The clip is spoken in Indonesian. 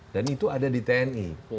dan itu ada di tni